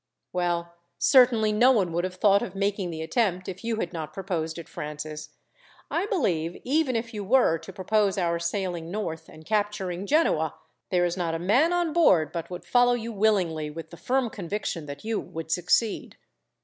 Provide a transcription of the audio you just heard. "Well, certainly no one would have thought of making the attempt, if you had not proposed it, Francis. I believe, even if you were to propose our sailing north, and capturing Genoa, there is not a man on board but would follow you willingly, with the firm conviction that you would succeed."